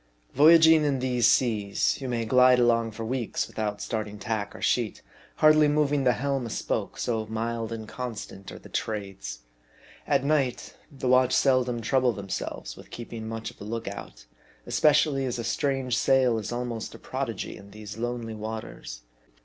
3G M A R D I. Voyaging in these seas, you may glide along for weeks without starting tack or sheet, hardly moving the helm a spoke, so mild and constant are the Trades. At night, the watch seldom trouble themselves with keeping much of a look out ; especially, as a strange sail is almost a prodigy in these lonely waters.